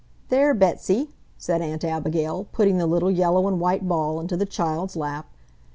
"There, Betsy!" said Aunt Abigail, putting the little yellow and white ball into the child's lap.